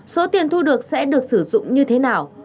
số tiền thu được sẽ được sử dụng như thế nào